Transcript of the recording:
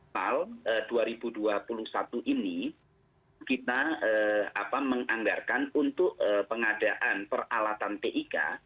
tahun dua ribu dua puluh satu ini kita menganggarkan untuk pengadaan peralatan tik